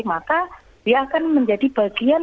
maka dia akan menjadi bagian